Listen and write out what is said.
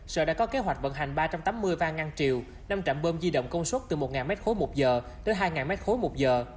sở đã có kế hoạch vận hành ba trăm tám mươi van ngang triều năm trạm bơm di động công suất từ một m ba một giờ tới hai m ba một giờ